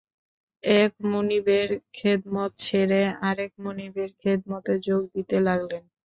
এক মনিবের খেদমত ছেড়ে আরেক মনিবের খেদমতে যোগ দিতে লাগলেন।